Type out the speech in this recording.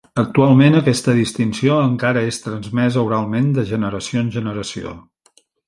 Actualment, aquesta distinció encara és transmesa oralment de generació en generació.